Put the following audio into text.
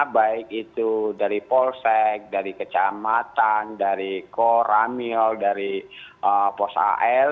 baik itu dari polsek dari kecamatan dari koramil dari pos al